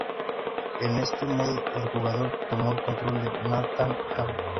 En este modo el jugador toma el control de Nathan Hale.